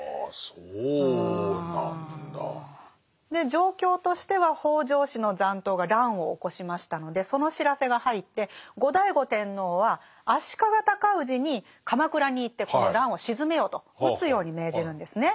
状況としては北条氏の残党が乱を起こしましたのでその知らせが入って後醍醐天皇は足利高氏に鎌倉に行ってこの乱を鎮めよと討つように命じるんですね。